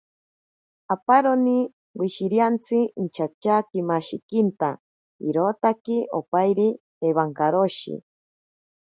Aparoni wishiriantsi inchatyakimashikinta irotaki opairi ewankaroshi.